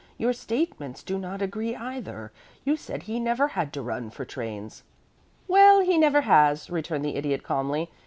Your statements do not agree, either. You said he never had to run for trains." "Well, he never has," returned the Idiot, calmly.